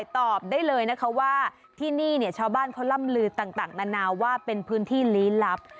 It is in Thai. ตอบได้เลยนะคะว่าที่นี่เนี่ยชาวบ้านเขาล่ำลือต่างนานาว่าเป็นพื้นที่ลี้ลับ